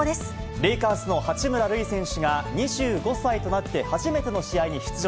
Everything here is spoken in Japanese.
レイカーズの八村塁選手が２５歳となって初めての試合に出場。